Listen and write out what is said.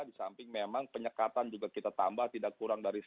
di samping memang penyekatan juga kita tambah tidak kurang dari sembilan puluh tujuh